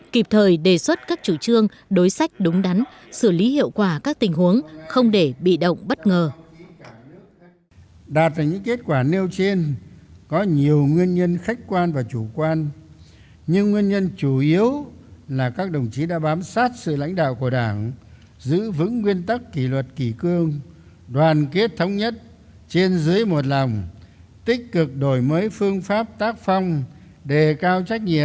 kịp thời đề xuất các chủ trương đối sách đúng đắn xử lý hiệu quả các tình huống không để bị động bất ngờ